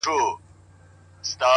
ځوان په لوړ ږغ-